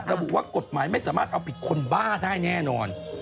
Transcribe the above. ระบุว่ากฎหมายไม่สามารถเอาผิดคนบ้าได้แน่นอน